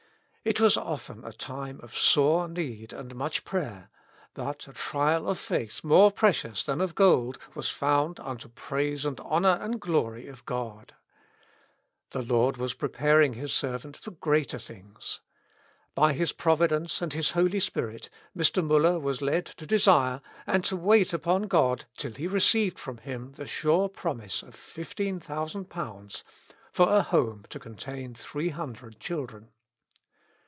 It was often a time of sore need and much prayer, but a trial of faith more precious than of gold was found unto praise and honor and glory of God. The I,ord was preparing His servant for greater things. By His providence and His Holy Spirit, Mr. Muller was led to desire, and to wait upon God till he received from Him the sure promise of ^15,000 for a Home to contain 300 children.